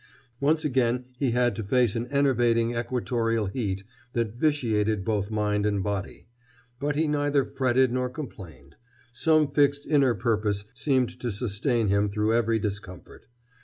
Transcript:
Once again he had to face an enervating equatorial heat that vitiated both mind and body. But he neither fretted nor complained. Some fixed inner purpose seemed to sustain him through every discomfort.